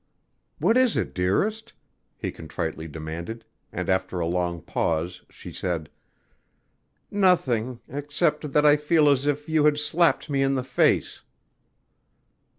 "What is it, dearest?" he contritely demanded, and after a long pause she said: "Nothing, except that I feel as if you had slapped me in the face."